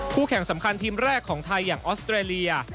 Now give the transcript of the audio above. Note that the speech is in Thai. แข่งสำคัญทีมแรกของไทยอย่างออสเตรเลีย